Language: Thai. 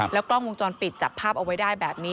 กล้องวงจรปิดจับภาพเอาไว้ได้แบบนี้